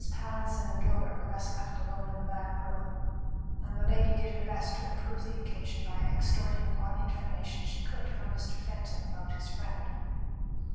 Pallinson and Gilbert were thus left alone in the back room, and the lady did her best to improve the occasion by extorting what information she could from Mr. Fenton about his friend.